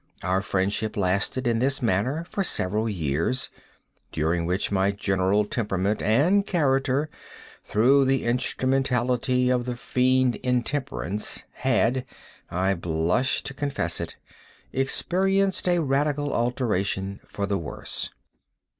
Our friendship lasted, in this manner, for several years, during which my general temperament and character—through the instrumentality of the Fiend Intemperance—had (I blush to confess it) experienced a radical alteration for the worse.